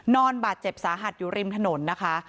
นอนบาดเจ็บสาหัสอยู่ริมถนนนะคะ